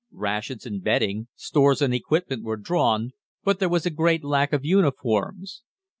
Rations and bedding, stores and equipment were drawn, but there was a great lack of uniforms.